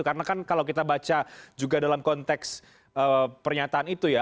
karena kan kalau kita baca juga dalam konteks pernyataan itu ya